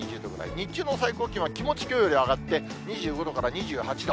日中の最高気温は、気持ちきょうより上がって、２５度から２８度。